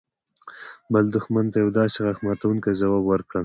بل دښمن ته يو داسې غاښ ماتونکى ځواب ورکړل.